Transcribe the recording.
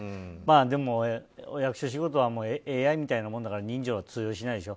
でもお役所仕事はＡＩみたいなものだから人情は通用しないでしょ。